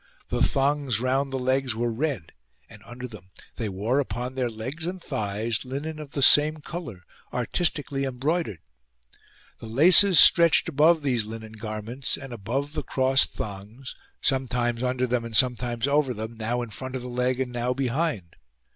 The thongs round the legs were red, and under them they wore upon their legs and thighs 102 DRESS OF THE FRANKS linen of the same colour, artistically embroidered. The laces stretched above these linen garments and above the crossed thongs, sometimes under them and sometimes over them, now in front of the leg and now behind.